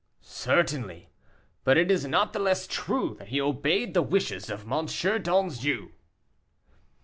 "Certainly; but it is not the less true that he obeyed the wishes of M. d'Anjou."